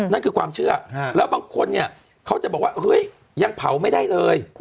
นั่นคือความเชื่อแล้วบางคนเนี่ยเขาจะบอกว่าเฮ้ยยังเผาไม่ได้เลย